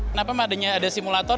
kenapa adanya ada simulator